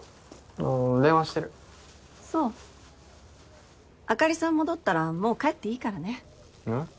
あー電話してるそうあかりさん戻ったらもう帰っていいからねえっ？